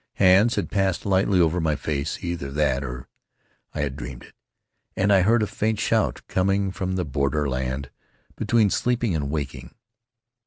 Hands had passed lightly over my face — either that or I had dreamed it — and I heard a faint shout coming from the borderland between sleeping and waking.